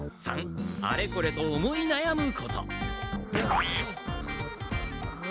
三あれこれと思いなやむこと。